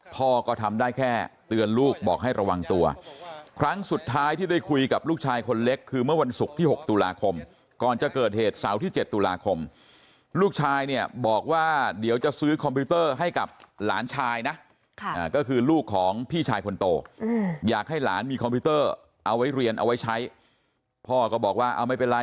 พ่อก็ทำได้แค่เตือนลูกบอกให้ระวังตัวครั้งสุดท้ายที่ได้คุยกับลูกชายคนเล็กคือเมื่อวันศุกร์ที่๖ตุลาคมก่อนจะเกิดเหตุเสาร์ที่๗ตุลาคมลูกชายเนี่ยบอกว่าเดี๋ยวจะซื้อคอมพิวเตอร์ให้กับหลานชายนะก็คือลูกของพี่ชายคนโตอยากให้หลานมีคอมพิวเตอร์เอาไว้เรียนเอาไว้ใช้พ่อก็บอกว่าเอาไม่เป็นไร